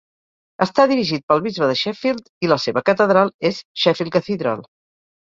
Està dirigit pel bisbe de Sheffield i la seva catedral és Sheffield Cathedral.